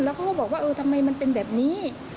แล้วก็บอกแบบทำไมมันเป็นแบบนี้